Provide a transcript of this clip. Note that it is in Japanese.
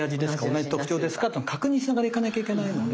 同じ特徴ですか？と確認しながらいかなきゃいけないので。